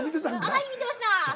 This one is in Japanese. はい見てました。